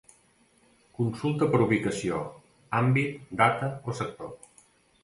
Consulta per ubicació, àmbit, data o sector.